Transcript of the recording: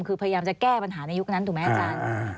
คือพยายามจะแก้ปัญหาในยุคนั้นถูกไหมอาจารย์